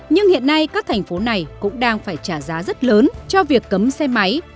nhưng hiện nay các thành phố này cũng đang phải trả giá rất lớn cho việc cấm xe máy